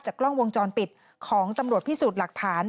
กล้องวงจรปิดของตำรวจพิสูจน์หลักฐาน